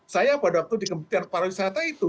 saya pada waktu di kementerian pariwisata itu